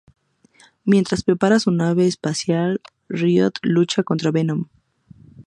Mientras prepara su nave espacial, Riot lucha contra Venom.